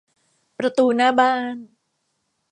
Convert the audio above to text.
ประตูหน้าบ้าน